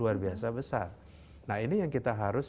luar biasa besar nah ini yang kita harus